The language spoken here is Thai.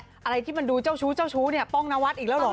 อะไรที่มันดูเจ้าชู้เจ้าชู้เนี่ยป้องนวัดอีกแล้วเหรอ